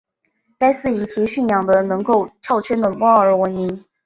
该寺以其训养的能够跳圈的猫而闻名。